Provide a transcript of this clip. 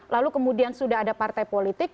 lalu kemudian sudah ada partai politik